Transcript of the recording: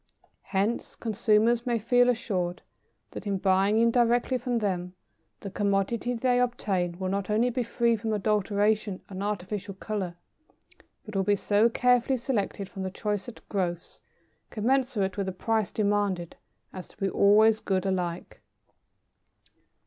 Hence, consumers may feel assured that in buying indirectly from them, the commodity they obtain will not only be free from adulteration and artificial colour, but will be so carefully selected from the choicest growths, commensurate with the price demanded, as to be "always good alike."